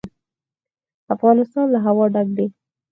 افغانستان له هوا ډک دی.